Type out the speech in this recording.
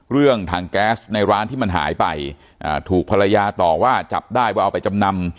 เรื่องถังแก๊สในร้านที่มันหายไปถูกภรรยาต่อว่าจับได้ว่าเอาไปจำนำ